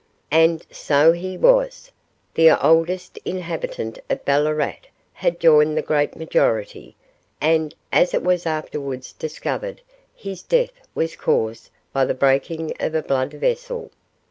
And so he was! The oldest inhabitant of Ballarat had joined the great majority, and, as it was afterwards discovered, his death was caused by the breaking of a blood vessel.